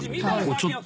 ちょっと。